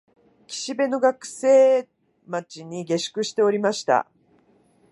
岸辺の学生町に下宿しておりました